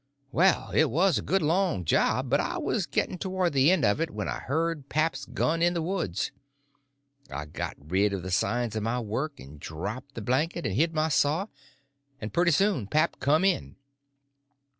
Well, it was a good long job, but I was getting towards the end of it when I heard pap's gun in the woods. I got rid of the signs of my work, and dropped the blanket and hid my saw, and pretty soon pap come in.